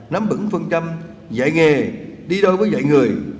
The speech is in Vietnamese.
nắm bững phân trăm dạy nghề đi đôi với dạy người